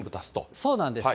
そうなんです。